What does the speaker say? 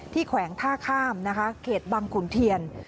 แขวงท่าข้ามนะคะเขตบังขุนเทียน